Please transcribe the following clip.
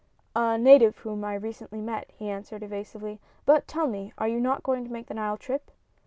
"A native whom I recently met," he answered, evasively. "But tell me, are you not going to make the Nile trip?"